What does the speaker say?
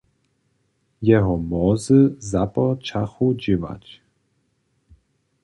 Jeho mozy započachu dźěłać.